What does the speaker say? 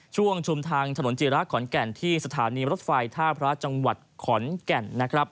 ชุมทางถนนจิระขอนแก่นที่สถานีรถไฟท่าพระจังหวัดขอนแก่นนะครับ